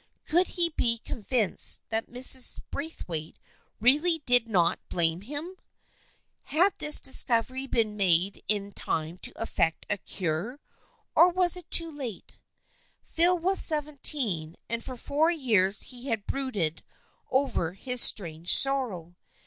Could he be convinced that Mrs. Braithwaite really did not blame him ? Had this discovery been made in time to effect a cure, or was it too late ? Phil was seventeen, and for four years he had brooded over his strange sorrow.